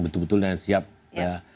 betul betul siap ya